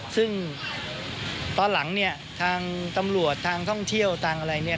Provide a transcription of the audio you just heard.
ซึ่งตอนหลังเนี่ยทางตำรวจทางท่องเที่ยวทางอะไรเนี่ย